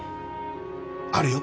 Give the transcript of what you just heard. あるよ。